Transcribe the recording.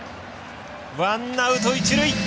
ワンアウト、一塁。